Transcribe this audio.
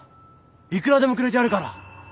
いくらでもくれてやるから！